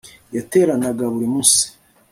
yateranaga buri munsi